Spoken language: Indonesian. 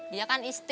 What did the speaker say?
dia kan istri